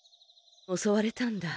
おそわれたんだ。